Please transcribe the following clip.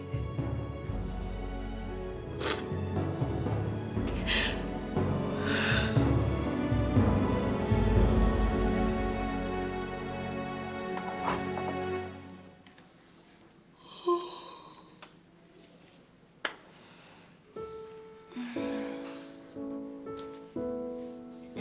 aku mau tidur